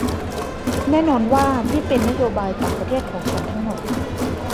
แน่นอนว่านี่เป็นนโยบายต่างประเทศของฉันทั้งหมด